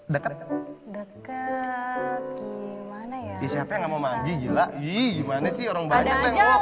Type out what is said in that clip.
deket deket gimana ya siapa yang mau manggil gila gimana sih orang banyak